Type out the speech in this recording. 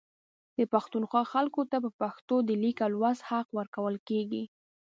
د پښتونخوا خلکو ته په پښتو د لیک او لوست حق نه ورکول کیږي